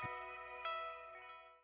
tào chính luôn à